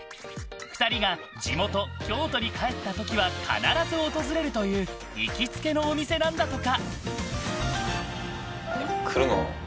２人が地元・京都に帰った時は必ず訪れるという行きつけのお店なんだとか。